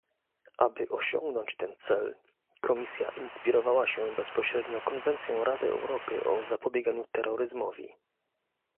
Aby osiągnąć ten cel, Komisja inspirowała się bezpośrednio konwencją Rady Europy o zapobieganiu terroryzmowi